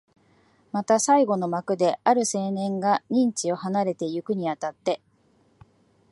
また最後の幕で、ある青年が任地を離れてゆくに当たって、